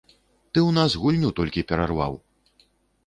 Ты ў нас гульню толькі перарваў!